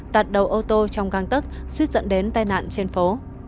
tạt đầu ô tô trong găng tức suýt dẫn đến tai nạn trên phố